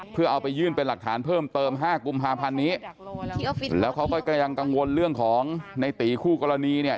เพื่อเอาไปยื่นเป็นหลักฐานเพิ่มเติมห้ากุมภาพันธ์นี้แล้วเขาก็ก็ยังกังวลเรื่องของในตีคู่กรณีเนี่ย